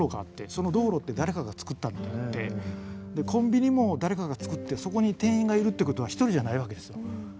その道路って誰かがつくったのとかってコンビニも誰かがつくってそこに店員がいるってことは一人じゃないわけですよ。